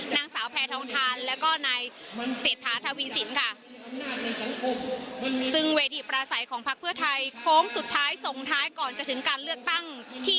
นางสาวแพทองทานแล้วก็นายเศรษฐาทวีสินค่ะซึ่งเวทีประสัยของพักเพื่อไทยโค้งสุดท้ายส่งท้ายก่อนจะถึงการเลือกตั้งที่